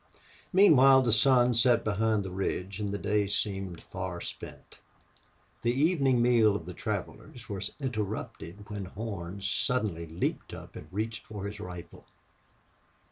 Meanwhile the sun set behind the ridge and the day seemed far spent. The evening meal of the travelers was interrupted when Horn suddenly leaped up and reached for his rifle.